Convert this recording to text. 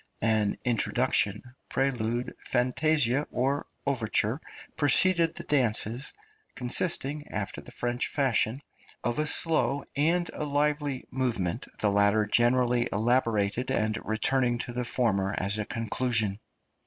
An introduction, prelude, fantasia, or overture, preceded the dances, consisting, after the French fashion, of a slow and a lively {INSTRUMENTAL MUSIC.} (296) movement, the latter generally elaborated, and returning to the former as a conclusion.